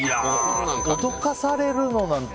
脅かされるのなんて